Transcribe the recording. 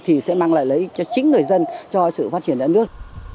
thì sẽ mang lại lợi ích cho chính người dân cho sự phát triển đất nước